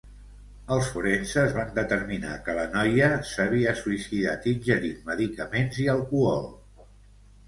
Els forenses van determinar que la noia s'havia suïcidat ingerint medicaments i alcohol.